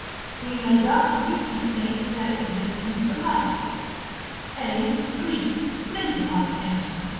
We may thus briefly state their existing varieties. § LXXXIX. A. GREEK: Lintel Architecture.